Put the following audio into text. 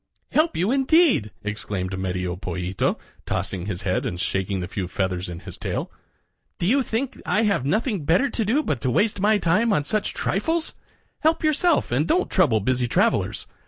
"Help you, indeed!" exclaimed Medio Pollito, tossing his head and shaking the few feathers in his tail. "Do you think I have nothing to do but to waste my time on such trifles? Help yourself and don't trouble busy travelers.